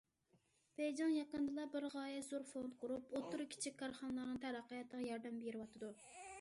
بېيجىڭ يېقىندىلا بىر غايەت زور فوند قۇرۇپ، ئوتتۇرا- كىچىك كارخانىلارنىڭ تەرەققىياتىغا ياردەم بېرىۋاتىدۇ.